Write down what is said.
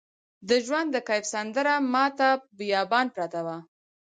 د ژوند د کیف سندره ماته په بیابان پرته وه